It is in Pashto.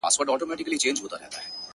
• ځم د اوښکو په ګودر کي ګرېوانونه ښخومه,,!